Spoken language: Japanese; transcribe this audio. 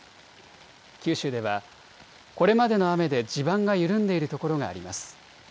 九州ではこれまでの雨で地盤が緩んでいる所があります。